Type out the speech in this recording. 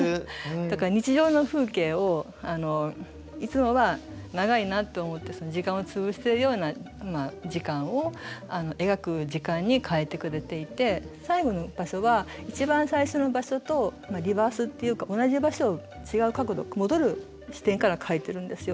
だから日常の風景をいつもは長いなって思って時間を潰しているような時間を描く時間に変えてくれていて最後の場所は一番最初の場所とリバースっていうか同じ場所を違う角度戻る視点から描いてるんですよ。